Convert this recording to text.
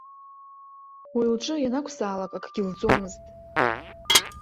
Уи лҿы ианакәызаалак акгьы лӡомызт.